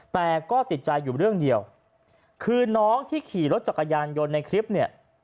แต่ก็ติดใจอยู่เรื่องเดียวคือน้องที่ขี่รถจักรยานยนต์ในคลิปเนี่ย